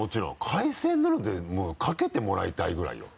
海鮮丼なんてもうかけてもらいたいぐらいよ。